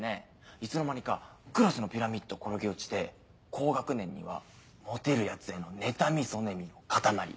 いつの間にかクラスのピラミッド転げ落ちて高学年にはモテるヤツへの妬み嫉みの塊。